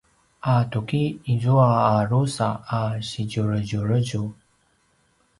a tuki izua a drusa a sidjuredjuredjur